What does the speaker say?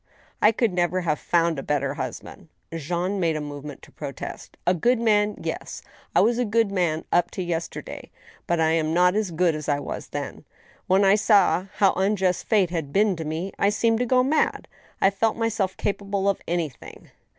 " I could never have found a better husband." Jean made a movement to protest. " A good man — ^yes, I was a good man up to yesterday ; but I am not as good as I was then. ... When I saw how unjust Fate had been to me, I seemed to go mad. ... I felt myself capable of anything.